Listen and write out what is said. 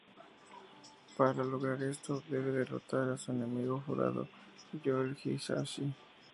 Para lograr esto, debe derrotar a su enemigo jurado, Joe Higashi.